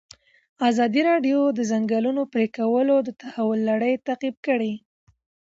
ازادي راډیو د د ځنګلونو پرېکول د تحول لړۍ تعقیب کړې.